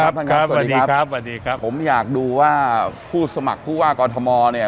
ท่านครับสวัสดีครับสวัสดีครับผมอยากดูว่าผู้สมัครผู้ว่ากอทมเนี่ย